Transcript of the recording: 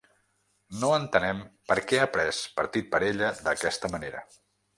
No entenem per què ha pres partit per ella d’aquesta manera.